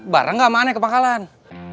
barang nggak ma aneh ke pangkalan